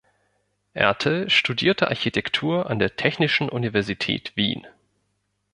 Ertl studierte Architektur an der Technischen Universität Wien.